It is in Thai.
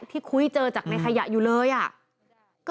คุ้ยเจอจากในขยะอยู่เลยอ่ะ